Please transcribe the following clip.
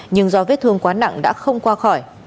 nhưng do vết thương quá nặng đã không qua khỏi